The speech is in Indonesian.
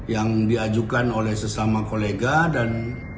yang diajukan oleh sesama kolega dan